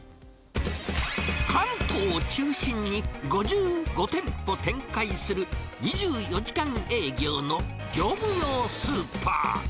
関東を中心に５５店舗展開する、２４時間営業の業務用スーパー。